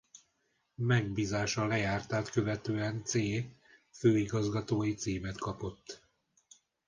Megbízása lejártát követően c. főigazgatói címet kapott.